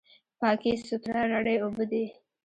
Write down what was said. پاکې، سوتره، رڼې اوبه دي.